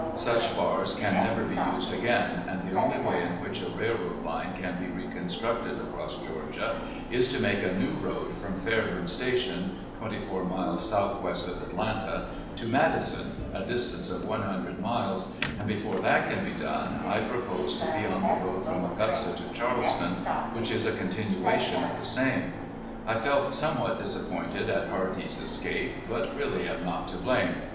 Such bars can never be used again, and the only way in which a railroad line can be reconstructed across Georgia is, to make a new road from Fairburn Station (twenty four miles southwest of Atlanta) to Madison, a distance of one hundred miles; and, before that can be done, I propose to be on the road from Augusta to Charleston, which is a continuation of the same. I felt somewhat disappointed at Hardee's escape, but really am not to blame.